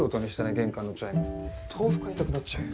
玄関のチャイム豆腐買いたくなっちゃうよ